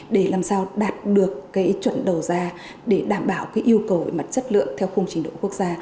để làm sao đạt được cái chuẩn đầu ra để đảm bảo cái yêu cầu về mặt chất lượng theo khung trình độ quốc gia